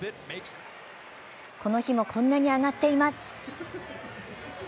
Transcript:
この日も、こんなに上がっています